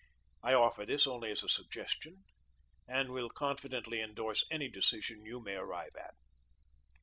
I offer this only as a suggestion, and will confidently endorse any decision you may arrive at."